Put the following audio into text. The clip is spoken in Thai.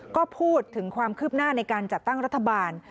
ก็พูดถึงความคืบหน้าในการจัดตั้งรัฐบาล